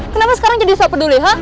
kenapa sekarang jadi sok peduli ha